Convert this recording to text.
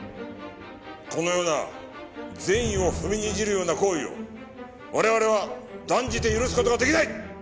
このような善意を踏みにじるような行為を我々は断じて許す事はできない！